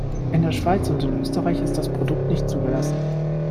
In der Schweiz und in Österreich ist das Produkt nicht zugelassen.